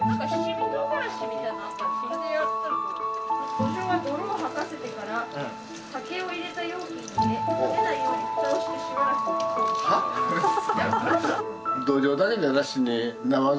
・ドジョウは泥を吐かせてから酒を入れた容器に入れ跳ねないように蓋をしてしばらく置くそうです。